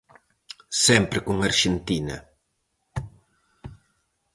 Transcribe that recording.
Sempre con Arxentina!